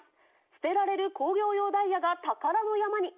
捨てられる工業用ダイヤが宝の山に。